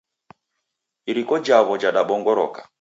Iriko jawo jadabongoroka